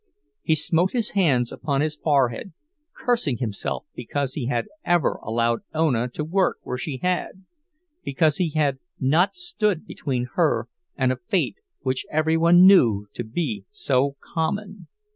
He smote his hands upon his forehead, cursing himself because he had ever allowed Ona to work where she had, because he had not stood between her and a fate which every one knew to be so common.